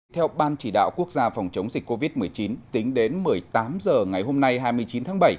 theo ban chỉ đạo quốc gia phòng chống dịch covid một mươi chín tính đến một mươi tám h ngày hôm nay hai mươi chín tháng bảy